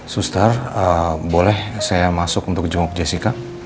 suster boleh saya masuk untuk jemok jessica